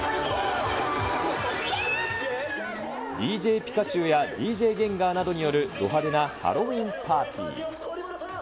ＤＪピカチュウやＤＪゲンガーなどによるど派手なハロウィーン・パーティー。